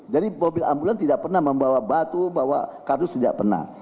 jadi mobil ambulan tidak pernah membawa batu bawa kardus tidak pernah